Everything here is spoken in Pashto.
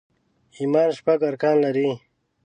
ايمان شپږ ارکان لري